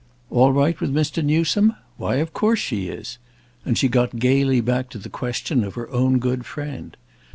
"All right with Mr. Newsome? Why of course she is!"—and she got gaily back to the question of her own good friend.